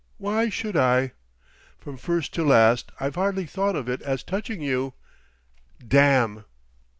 Why should I? From first to last, I've hardly thought of it as touching you.... Damn!"